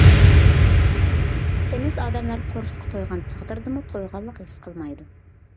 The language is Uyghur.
سېمىز ئادەملەر قورسىقى تويغان تەقدىردىمۇ، تويغانلىق ھېس قىلمايدۇ.